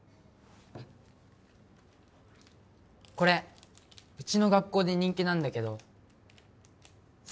これうちの学校で人気なんだけど桜